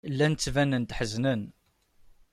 Llan ttbanen-d ḥeznen.